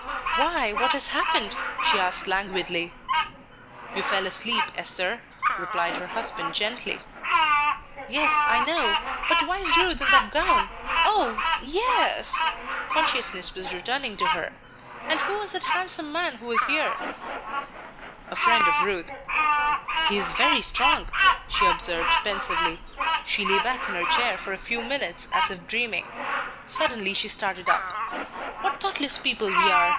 "Why, what has happened?" she asked languidly. "You fell asleep, Esther," replied her husband, gently. "Yes, I know; but why is Ruth in that gown? Oh ye es!" Consciousness was returning to her. "And who was that handsome man who was here?" "A friend of Ruth." "He is very strong," she observed pensively. She lay back in her chair for a few minutes as if dreaming. Suddenly she started up. "What thoughtless people we are!